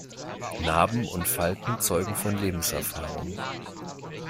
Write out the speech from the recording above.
Narben und Falten zeugen von Lebenserfahrung.